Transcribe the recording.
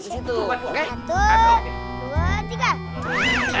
satu dua tiga